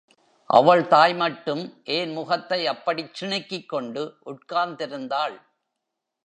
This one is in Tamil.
அவள் தாய்மட்டும் ஏன் முகத்தை அப்படிச் சிணுக்கிக்கொண்டு உட்கார்ந்திருந்தாள்?